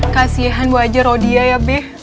kasihan wajar oh dia ya be